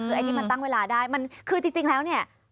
คือไอ้ที่มันตั้งเวลาได้มันคือจริงแล้วเนี่ย